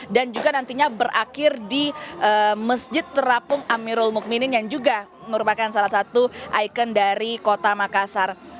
dan juga nantinya berakhir di masjid terapung amirul mukminin yang juga merupakan salah satu ikon dari kota makassar